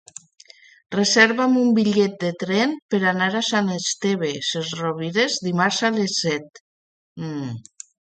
Reserva'm un bitllet de tren per anar a Sant Esteve Sesrovires dimarts a les set.